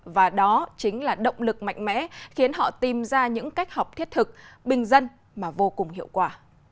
và đó chính là động lực mạnh mẽ khiến họ tìm ra những cách học thiết thực bình dân mà vô cùng hiệu quả